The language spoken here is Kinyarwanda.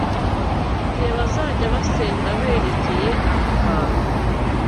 igihe bazajya basenga berekeye aha hantu